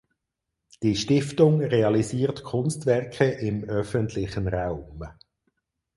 Die Stiftung realisiert Kunstwerke im öffentlichen Raum.